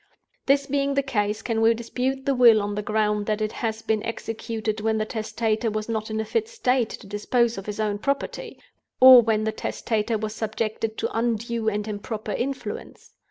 "This being the case, can we dispute the Will on the ground that it has been executed when the Testator was not in a fit state to dispose of his own property? or when the Testator was subjected to undue and improper influence?